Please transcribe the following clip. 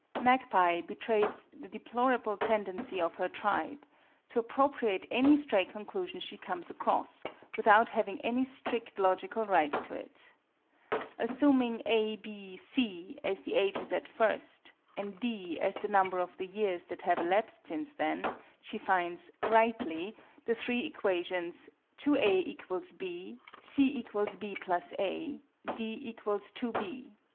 MAGPIE betrays the deplorable tendency of her tribe to appropriate any stray conclusion she comes across, without having any strict logical right to it. Assuming A, B, C, as the ages at first, and D as the number of the years that have elapsed since then, she finds (rightly) the 3 equations, 2_A_ = B, C = B + A, D = 2_B_.